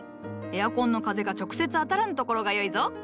エアコンの風が直接当たらぬところがよいぞ。